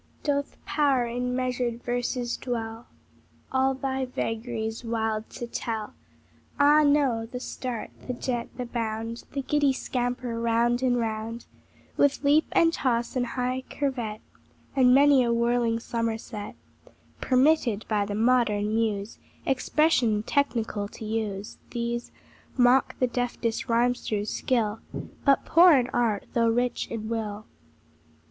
Doth power in measured verses dwell, All thy vagaries wild to tell? Ah, no! the start, the jet, the bound, The giddy scamper round and round, With leap and toss and high curvet, And many a whirling somerset, (Permitted by the modern muse Expression technical to use) These mock the deftest rhymester's skill, But poor in art, though rich in will.